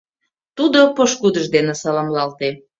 Тудо пошкудыж дене саламлалте.